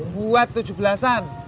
buat tujuh belasan